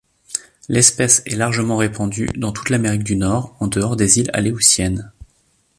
L'espèce est largement répandue dans toute l'Amérique du Nord en dehors des îles Aléoutiennes.